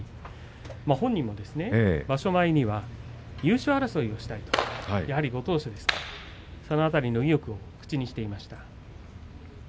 本人も場所前には優勝争いをしたいとやはりご当所ですからその辺りの意欲を口にしていました。